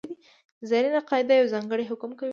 زرینه قاعده یو ځانګړی حکم کوي.